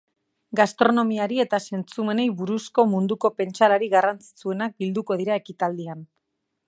Gastronomiari eta zentzumenei buruzko munduko pentsalari garrantzitsuenak bilduko dira ekitaldian.